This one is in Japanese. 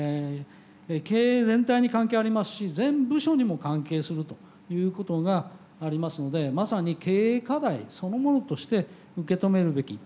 経営全体に関係ありますし全部署にも関係するということがありますのでまさに経営課題そのものとして受け止めるべき。